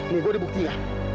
nih gue udah bukti ya